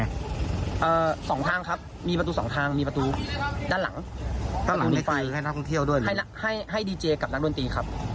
สองทางครับมีประตูสองทางมีประตูด้านหลังข้างหลังในไฟให้นักท่องเที่ยวด้วยนะให้ให้ดีเจกับนักดนตรีครับ